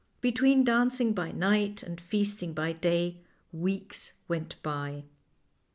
Between dancing by night and feasting by day weeks went by.